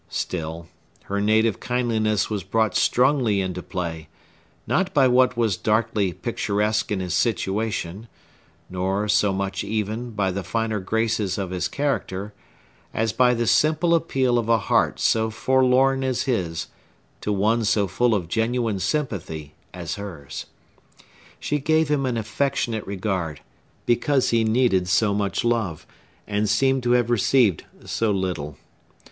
Still, her native kindliness was brought strongly into play, not by what was darkly picturesque in his situation, nor so much, even, by the finer graces of his character, as by the simple appeal of a heart so forlorn as his to one so full of genuine sympathy as hers. She gave him an affectionate regard, because he needed so much love, and seemed to have received so little.